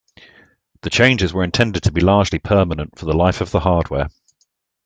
The changes were intended to be largely permanent for the life of the hardware.